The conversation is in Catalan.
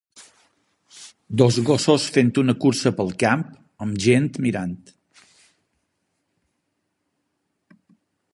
Dos gossos fent una cursa pel camp amb gent mirant.